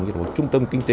như một trung tâm kinh tế